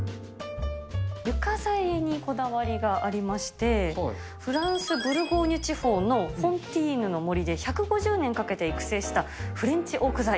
床材にこだわりがありまして、フランス・ブルゴーニュ地方のフォンティーヌの森で１５０年かけて育成したフレンチオーク材。